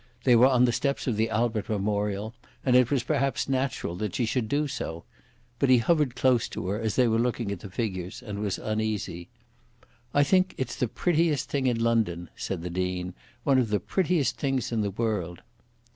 They were on the steps of the Albert Memorial, and it was perhaps natural that she should do so. But he hovered close to her as they were looking at the figures, and was uneasy. "I think it's the prettiest thing in London," said the Dean, "one of the prettiest things in the world."